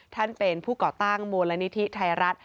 ท่านเป็นผู้เกาะต้างมลณนิธิไทยรัฐ